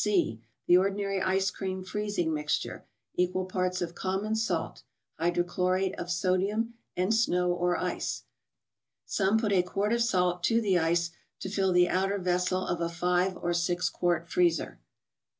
C. —The ordinary ice cream freezing mixture, equal parts of common salt (hydrochlorate of sodium) and snow, or ice. Some put a quart of salt to the ice to fill the outer vessel of a five or six quart freezer.